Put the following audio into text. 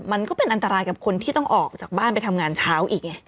มันก็เป็นอันตรายกับคนที่ต้องออกจากบ้านไปทำงานเช้าอีกไง